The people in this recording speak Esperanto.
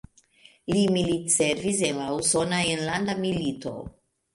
Li militservis en la Usona Enlanda Milito.